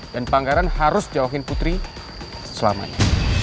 bang keren harus jawakin putri selamanya